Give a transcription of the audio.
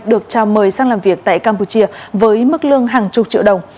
được trao mời sang làm việc tại campuchia với mức lương hàng chục triệu đồng